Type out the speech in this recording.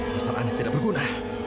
dasar anak tidak berguna